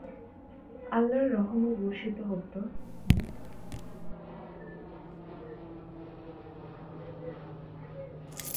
আল্লাহর রহমত বর্ষিত হোক তোর-- মা!